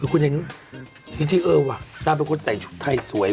คุณเห็นจริงเออว่ะนางเป็นคนใส่ชุดไทยสวย